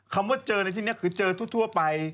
คำว่าเจอในที่นี้คือเจอทั่วไป